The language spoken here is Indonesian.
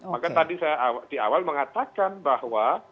maka tadi saya di awal mengatakan bahwa